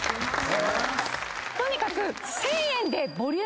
とにかく。